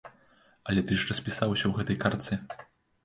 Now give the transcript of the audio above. Але ты ж распісаўся ў гэтай картцы!